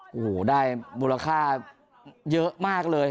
โอ้โหได้มูลค่าเยอะมากเลย